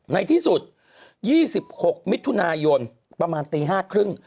ในที่สุด๒๖มิถุนายนประมาณตี๕๓๐